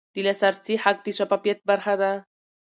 د لاسرسي حق د شفافیت برخه ده.